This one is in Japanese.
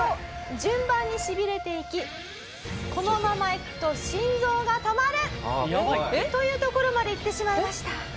このままいくと心臓が止まる！というところまでいってしまいました。